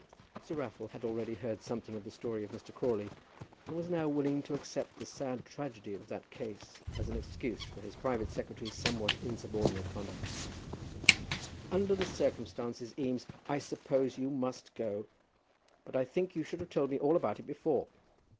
Sir Raffle had already heard something of the story of Mr. Crawley, and was now willing to accept the sad tragedy of that case as an excuse for his private secretary's somewhat insubordinate conduct. "Under the circumstances, Eames, I suppose you must go; but I think you should have told me all about it before."